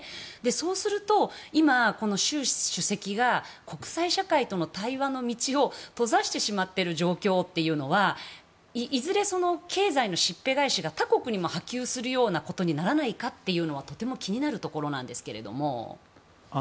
そうすると、今、習主席が国際社会との対話の道を閉ざしてしまってる状況というのはいずれ、経済のしっぺ返しが他国にも波及するようなことにならないかっていうのはとても気になるところなんですけども。